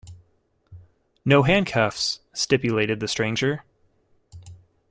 "No handcuffs," stipulated the stranger.